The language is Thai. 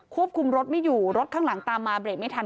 ควบคุมรถไม่อยู่รถข้างหลังตามมาเบรกไม่ทัน